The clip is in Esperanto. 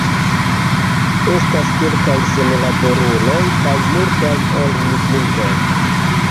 Estas kelkaj senlaboruloj kaj multaj elmigrintoj.